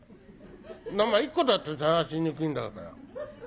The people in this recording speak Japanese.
名前１個だってさがしにくいんだから。